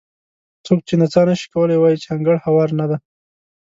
څوک چې نڅا نه شي کولی وایي چې انګړ هوار نه دی.